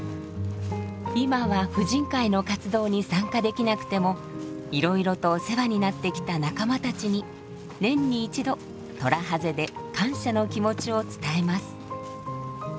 今は婦人会の活動に参加できなくてもいろいろとお世話になってきた仲間たちに年に１度トラハゼで感謝の気持ちを伝えます。